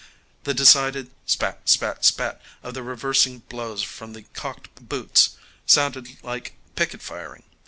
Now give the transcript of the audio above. The decided spat, spat, spat of the reversing blows from the caulked boots sounded like picket firing.